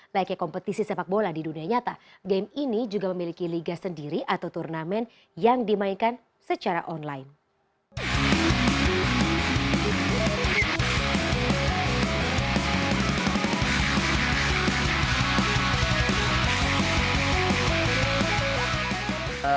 layaknya kompetisi sepak bola di dunia nyata game ini juga memiliki liga sendiri atau turnamen yang dimainkan secara online